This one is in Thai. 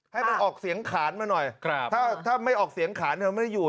ให้มันออกเสียงขานมาหน่อยถ้าไม่ออกเสียงขานเธอไม่ได้อยู่